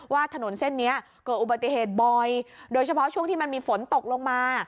ว่าถนนเส้นนี้เกิดอุบัติเหตุบ่อยโดยเฉพาะช่วงที่มันมีฝนตกลงมา